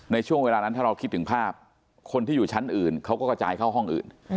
ในช่วงเวลานั้นถ้าเราคิดถึงภาพคนที่อยู่ชั้นอื่นเขาก็กระจายเข้าห้องอื่น